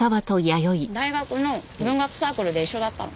大学の文学サークルで一緒だったの。